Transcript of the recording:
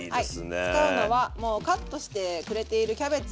はい使うのはもうカットしてくれているキャベツ。